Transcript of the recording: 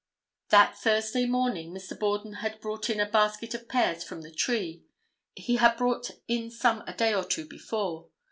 That Thursday morning Mr. Borden had brought in a basket of pears from the tree. He had brought in some a day or two before.